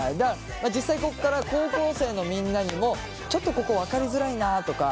実際ここから高校生のみんなにもちょっとここ分かりづらいなとか